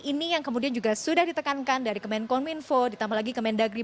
ini yang kemudian juga sudah ditekankan dari kemenkominfo ditambah lagi ke mendagri